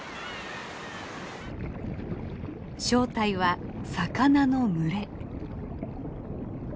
正体は魚の群れ。